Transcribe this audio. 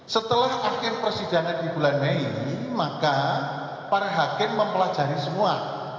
setelah akhir persidangan di bulan mei maka para hakim mempelajari semua